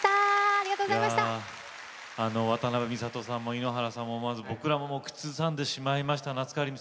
渡辺美里さんも井ノ原さんも僕らも口ずさんでしまいました。